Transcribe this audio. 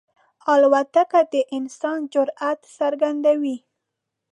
الوتکه د انسان جرئت څرګندوي.